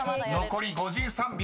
［残り５３秒７。